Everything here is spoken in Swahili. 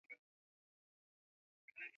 mti wa makopo na mimea ya majini